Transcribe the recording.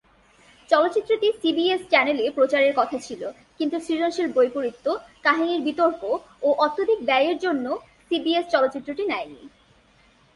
চলচ্চিত্রটি সিবিএস চ্যানেলে প্রচারের কথা ছিল, কিন্তু সৃজনশীল বৈপরীত্য, কাহিনির বিতর্ক, ও অত্যধিক ব্যয়ের জন্য সিবিএস চলচ্চিত্রটি নেয়নি।